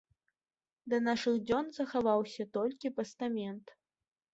Да нашых дзён захаваўся толькі пастамент.